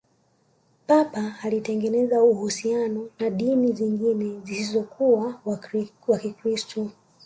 papa alitengeneza uhusiano na dini zingine zisizokuwa wa kikristo